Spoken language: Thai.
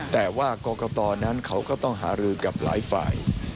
แต่ว่ากรกตนั้นเขาก็ต้องหารือกับหลายฝ่าย